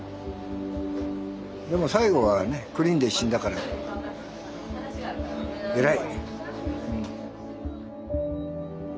でも最後はねクリーンで死んだから偉い。